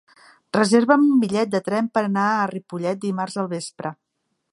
Reserva'm un bitllet de tren per anar a Ripollet dimarts al vespre.